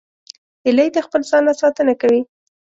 هیلۍ د خپل ځاله ساتنه کوي